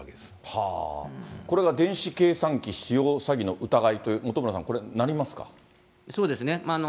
これが電子計算機使用詐欺の疑いと、本村さん、これ、なりますかそうですね。